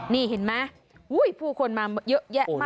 นี่เห็นมั้ยผู้คนมาเยอะแยะมากมาย